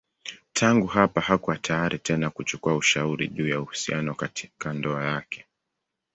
Tangu hapa hakuwa tayari tena kuchukua ushauri juu ya uhusiano katika ndoa yake.